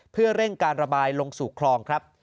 เพื่อเร่งการระบายลงสู่คลองครับ